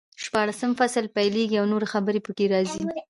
شپاړسم فصل پیلېږي او نورې خبرې پکې راځي.